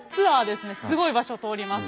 すごい場所を通ります。